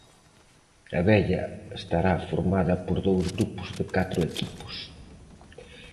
A vella estará formada por dous grupos de catro equipos.